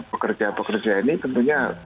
pekerja pekerja ini tentunya